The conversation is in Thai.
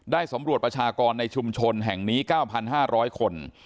สำรวจประชากรในชุมชนแห่งนี้๙๕๐๐คน